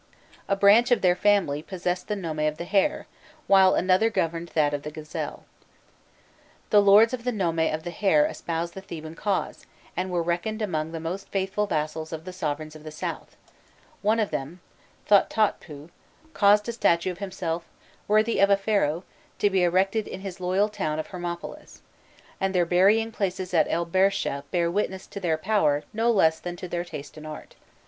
A branch of their family possessed the nome of the Hare, while another governed that of the Gazelle. The lords of the nome of the Hare espoused the Theban cause, and were reckoned among the most faithful vassals of the sovereigns of the south: one of them, Thothotpû, caused a statue of himself, worthy of a Pharaoh, to be erected in his loyal town of Hermopolis, and their burying places at el Bersheh bear witness to their power no less than to their taste in art.